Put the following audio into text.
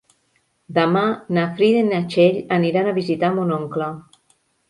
Demà na Frida i na Txell aniran a visitar mon oncle.